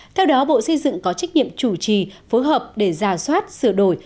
theo đó bộ xây dựng có trách nhiệm chủ trì phối hợp để giả soát sửa đổi